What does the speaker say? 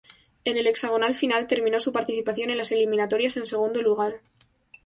En el Hexagonal Final terminó su participación en las eliminatorias en segundo lugar.